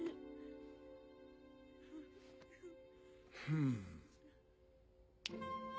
うん。